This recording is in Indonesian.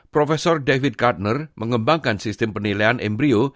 profesor david gardner mengembangkan sistem penilaian embrio